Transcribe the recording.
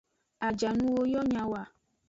Ajanuwo yo nyawo.